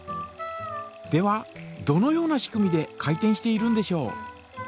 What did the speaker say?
ではどのような仕組みで回転しているんでしょう。